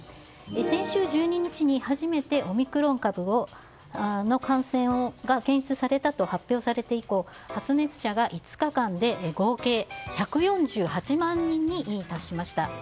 先週１２日に初めてオミクロン株の感染が検出されたと発表して以降発熱者が５日間で合計１４８万人に達しました。